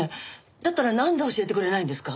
だったらなんで教えてくれないんですか？